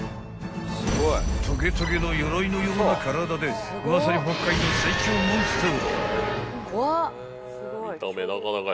［トゲトゲのよろいのような体でまさに北海道最強モンスター］